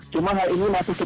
cuma hal ini masih cukup